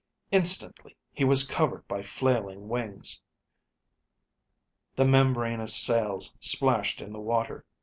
Instantly he was covered by flailing wings. The membranous sails splashed in the water.